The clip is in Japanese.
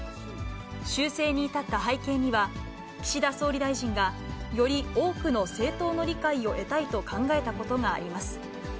修正に至った背景には、岸田総理大臣がより多くの政党の理解を得たいと考えたことがあります。